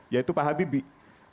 yaitu pak habibie